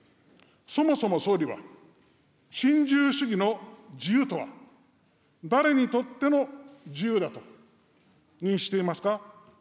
そもそも総理は、新自由主義の自由とは、誰にとっての自由だと認識していますか。